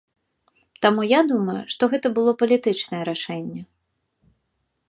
Таму я думаю, што гэта было палітычнае рашэнне.